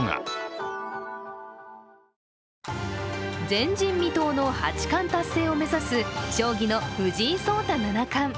前人未到の八冠達成を目指す将棋の藤井聡太七冠。